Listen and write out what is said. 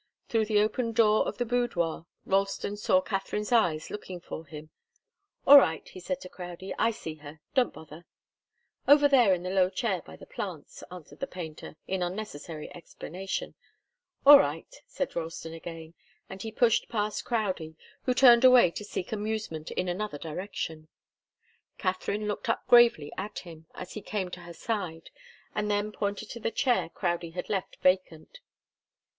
Through the open door of the boudoir Ralston saw Katharine's eyes looking for him. "All right," he said to Crowdie, "I see her. Don't bother." "Over there in the low chair by the plants," answered the painter, in unnecessary explanation. "All right," said Ralston again, and he pushed past Crowdie, who turned away to seek amusement in another direction. Katharine looked up gravely at him as he came to her side, and then pointed to the chair Crowdie had left vacant.